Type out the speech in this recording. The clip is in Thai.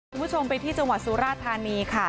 คุณผู้ชมไปที่จังหวัดสุราธานีค่ะ